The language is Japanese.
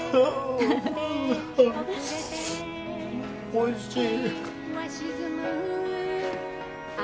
おいしい。